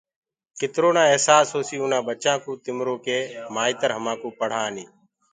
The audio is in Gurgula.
ڪترو نآ اهسآس هوسيٚ اُنآ ٻچآنٚڪو تِمرو ڪي مآئترهمآئون پڙهآني